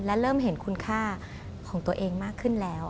และเริ่มเห็นคุณค่าของตัวเองมากขึ้นแล้ว